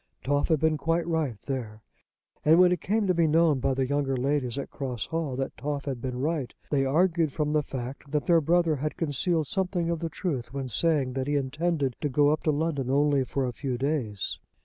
Toff had been quite right, there. And when it came to be known by the younger ladies at Cross Hall that Toff had been right, they argued from the fact that their brother had concealed something of the truth when saying that he intended to go up to London only for a few days.